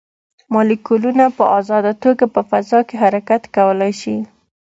مالیکولونه په ازاده توګه په فضا کې حرکت کولی شي.